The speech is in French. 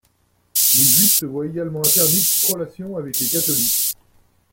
Les Juifs se voient également interdire toute relation avec les catholiques.